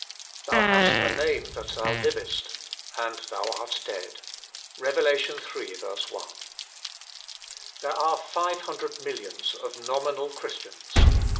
"Thou hast a name that thou livest, and thou art dead." RKV. iii. 1. There arc five hundred millions of nominal Christians.